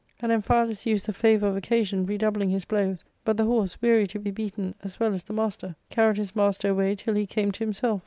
And Amphialus used the favour of occasion, redoubling his blows,' but the hors^, weary to be beaten, as well as the master, carried his master away till he came to himself.